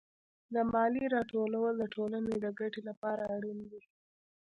د مالیې راټولول د ټولنې د ګټې لپاره اړین دي.